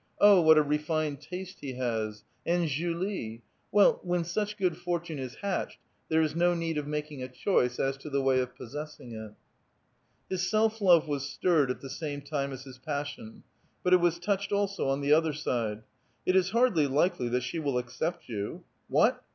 Oh, what a refined taste he has ! And Julie ! Well, when such good fortune is hatched, there is no need of mak ing a choice as to the way of possessing it. His self love was stirred at the same time as his passion. But it was touched also on the other side. "It is hardly likel}' that she will accept you." What